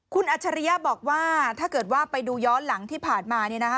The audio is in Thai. คุณอัจฉริยะบอกว่าถ้าเกิดว่าไปดูย้อนหลังที่ผ่านมา